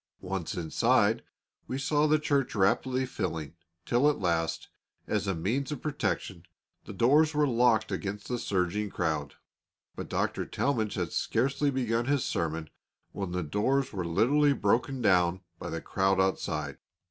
Once inside, we saw the church rapidly filling, till at last, as a means of protection, the doors were locked against the surging crowd. But Dr. Talmage had scarcely begun his sermon when the doors were literally broken down by the crowd outside.